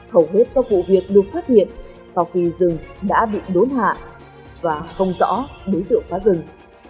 hầu hết các vụ việc được phát hiện sau khi rừng đã bị đốn hạ và không rõ đối tượng phá rừng